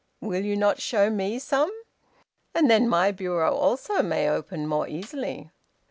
Will not you show me some? And then my bureau also may open more easily."